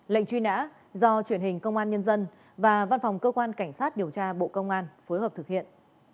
lệnh truy nã do truyền hình công an nhân dân và văn phòng cơ quan cảnh sát điều tra bộ công an phối hợp thực hiện